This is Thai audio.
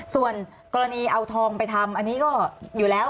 ส่วนกรณีเอาทองไปทำอันนี้ก็อยู่แล้ว